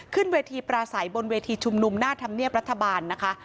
ขึ้นเวทีปราศัยบนเวทีชุมนุมหน้าธรรมเนียบรัฐบาลนะคะ